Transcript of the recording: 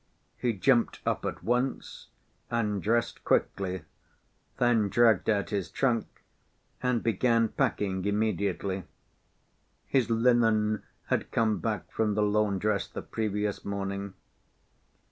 He jumped up at once and dressed quickly; then dragged out his trunk and began packing immediately. His linen had come back from the laundress the previous morning.